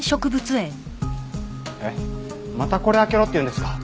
えっまたこれ開けろって言うんですか？